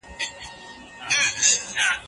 خلګ ولي کله ناکله واکسین نه کوي؟